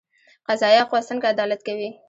قضایه قوه څنګه عدالت کوي؟